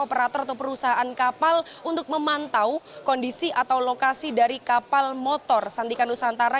operator atau perusahaan kapal untuk memantau kondisi atau lokasi dari kapal motor santikan nusantara